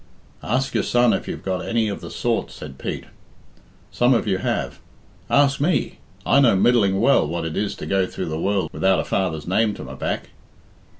"Ask your son if you've got any of the sort," said Pete; "some of you have. Ask me. I know middling well what it is to go through the world without a father's name to my back.